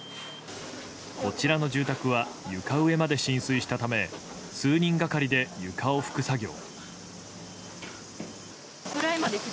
こちらの住宅は床上まで浸水したため数人がかりで床を拭く作業。